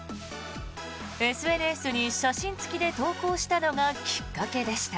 ＳＮＳに写真付きで投稿したのがきっかけでした。